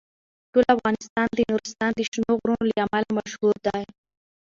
ټول افغانستان د نورستان د شنو غرونو له امله مشهور دی.